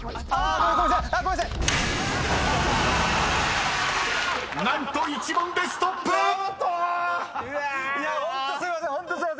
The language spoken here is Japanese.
ホントすいません！